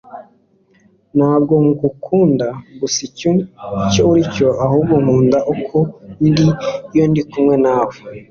Ntabwo ngukunda gusa icyo uri cyo, ahubwo nkunda uko ndi iyo ndi kumwe nawe.